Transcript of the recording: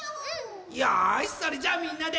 よしそれじゃあみんなで。